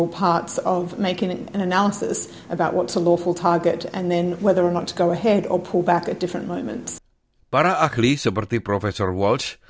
para ahli seperti prof walsh